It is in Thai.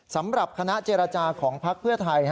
สำหรับคณะเจรจาของพักเพื่อไทย